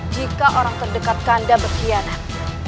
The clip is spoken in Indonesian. jika orang terdekat kanda berkhianat